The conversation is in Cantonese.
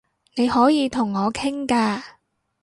你可以同我傾㗎